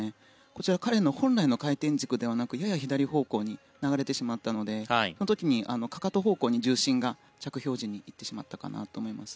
こちらは彼の本来の回転軸ではなくやや左方向に流れてしまったのでこの時にかかと方向に重心が着氷時に行ってしまったかなと思います。